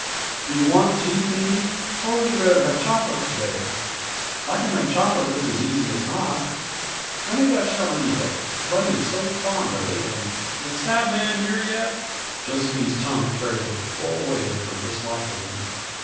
"Do you want tea, Phenie? or would you rather have chocolate to day? I can make chocolate just as easy as not; I think I shall, anyway. Buddy is so fond of it and " "Is that man here yet?" Josephine's tone carried the full weight of her dislike of him.